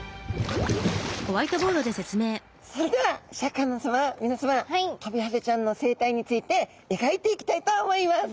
それではシャーク香音さま皆さまトビハゼちゃんの生態について描いていきたいと思います。